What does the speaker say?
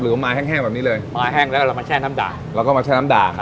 หรือว่าไม้แห้งแห้งแบบนี้เลยไม้แห้งแล้วเรามาแช่น้ำด่างแล้วก็มาแช่น้ำด่างครับ